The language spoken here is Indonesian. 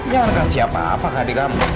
jangan kasih apa apa ke adik kamu